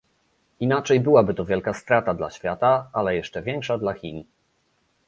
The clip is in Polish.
Inaczej byłaby to wielka strata dla świata, ale jeszcze większa dla Chin